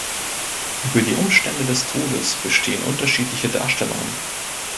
Über die Umstände des Todes bestehen unterschiedliche Darstellungen.